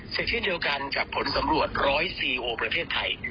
เศรษฐีเดียวกันจากผลสำรวจ๑๐๔ประเทศไทย